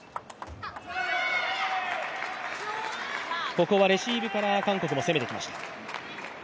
ここはレシーブから韓国も攻めてきました。